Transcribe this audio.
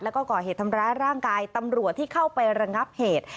แล้วก็ก่อเหตุทำร้ายร่างกายตำรวจที่เข้าไประงับเหตุ